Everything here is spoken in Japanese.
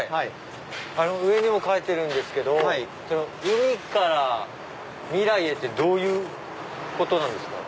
上にも書いてるんですけど「海から未来へ」ってどういうことなんですか？